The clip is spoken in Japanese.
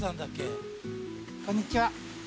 こんにちは。